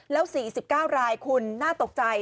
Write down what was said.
แล้ว๔๙รายคุณน่าตกใจ